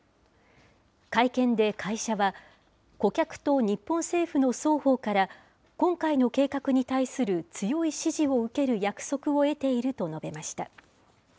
会見で会社は、顧客と日本政府の双方から、今回の計画に対する強い支持を受ける約束を得ていると述べました。